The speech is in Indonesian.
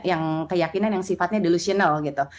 yang keyakinan yang sifatnya delusional gitu